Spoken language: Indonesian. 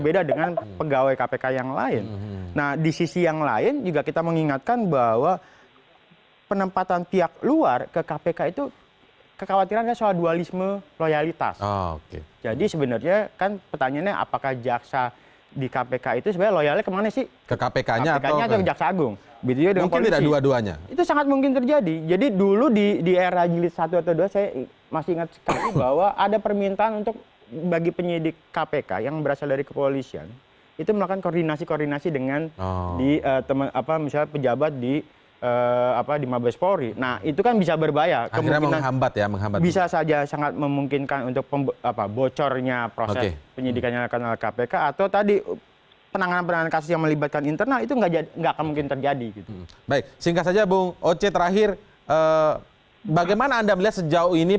bagaimana anda melihat sejauh ini